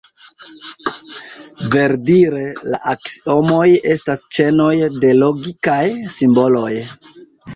Verdire, la aksiomoj estas ĉenoj de logikaj simboloj.